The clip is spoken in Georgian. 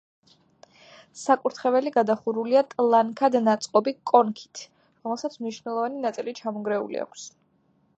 საკურთხეველი გადახურულია ტლანქად ნაწყობი კონქით, რომელსაც მნიშვნელოვანი ნაწილი ჩამონგრეული აქვს.